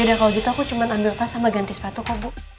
yaudah kalau gitu aku cuman ambil tas sama ganti sepatu kok bu